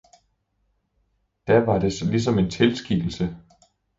Da var det ligesom en tilskikkelse.